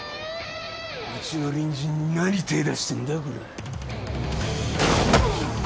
うちの隣人に何手ぇ出してんだこら。